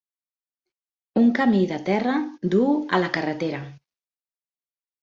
Un camí de terra duu a la carretera.